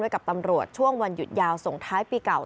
กับตำรวจช่วงวันหยุดยาวส่งท้ายปีเก่า